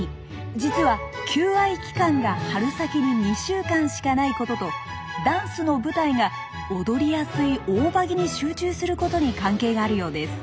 実は求愛期間が春先に２週間しかないこととダンスの舞台が踊りやすいオオバギに集中することに関係があるようです。